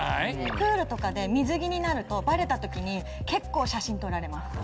プールとかで水着になるとバレた時に結構写真撮られます。